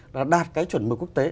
là đạt cái chuẩn mực quốc tế